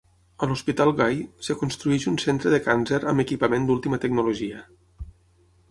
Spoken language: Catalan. A l'Hospital Guy es construeix un centre de càncer amb equipament d'última tecnologia.